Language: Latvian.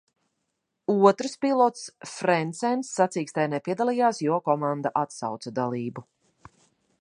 Otrs pilots, Frencens, sacīkstē nepiedalījās, jo komanda atsauca dalību.